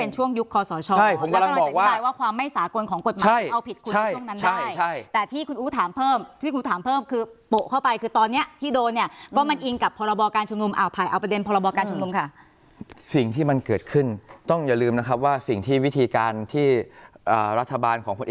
ช่วงยุคคสชแล้วก็รับแบบว่าความไม่สากลของกฎหมายเอาผิดคุณในช่วงนั้นได้แต่ที่คุณอู๋ถามเพิ่มที่คุณอู๋ถามเพิ่มคือโปะเข้าไปคือตอนนี้ที่โดนเนี่ยก็มันอิงกับพรกชอ่าอภัยเอาประเด็นพรกชค่ะสิ่งที่มันเกิดขึ้นต้องอย่าลืมนะครับว่าสิ่งที่วิธีการที่รัฐบ